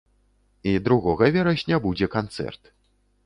І другога верасня будзе канцэрт.